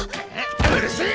うるせえ！